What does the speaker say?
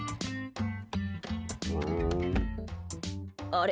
あれ？